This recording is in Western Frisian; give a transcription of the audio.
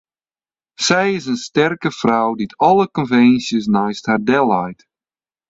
Sy is in sterke frou dy't alle konvinsjes neist har delleit.